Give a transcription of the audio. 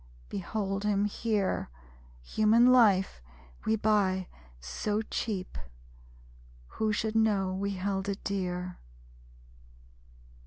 Behold him here. (Human life we buy so cheap, Who should know we held it dear?)